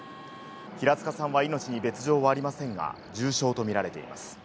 平塚さんは命に別状はありませんが重傷とみられています。